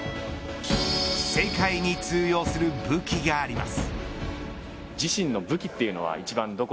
世界に通用する武器があります。